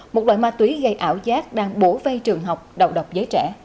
một loại ma túy gây ảo giác đang bổ vây trường học đậu độc giấy trẻ